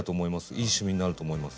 いい趣味になると思います。